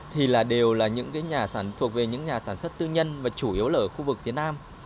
thì đều thuộc về những nhà sản xuất tư nhân và chủ yếu ở khu vực phía nam